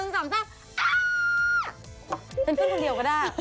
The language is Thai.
ช้อนี่คือคนเดียวก็ได้